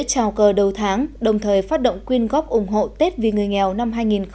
chào cờ đầu tháng đồng thời phát động quyên góp ủng hộ tết vì người nghèo năm hai nghìn hai mươi